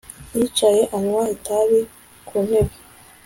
Yicaye anywa itabi ku ntebe